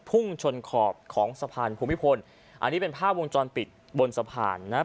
พุ่งชนขอบของสะพานภูมิพลอันนี้เป็นภาพวงจรปิดบนสะพานนะครับ